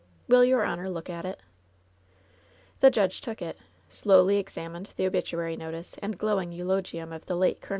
Will your honor look at it ?" The judge took it, slowly examined the obituary no tice and glowing eulogium of the late Col.